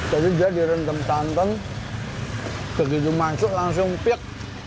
jadi dia direntem rentem begitu masuk langsung piak